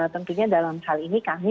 tentunya dalam hal ini kami